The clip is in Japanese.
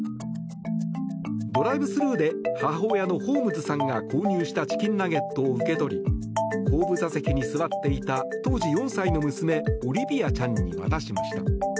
ドライブスルーで母親のホームズさんが購入したチキンナゲットを受け取り後部座席に座っていた当時４歳の娘オリビアちゃんに渡しました。